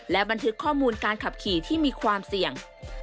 และบันทึกข้อมูลการขับขี่ที่มีความเสี่ยง